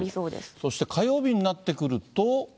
そして火曜日になってくると。